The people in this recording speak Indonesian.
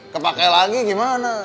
terpakai lagi gimana